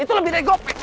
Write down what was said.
itu lebih dari gopek